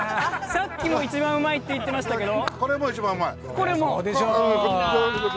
さっきも一番うまいって言ってましたけど！？